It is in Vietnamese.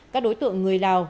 các đối tượng người lào